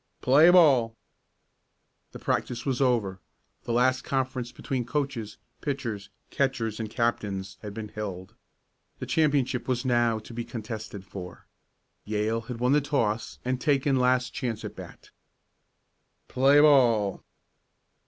"Play ball!" The practice was over, the last conference between coaches, pitchers, catchers and captains had been held. The championship was now to be contested for. Yale had won the toss and taken last chance at bat. "Play ball!"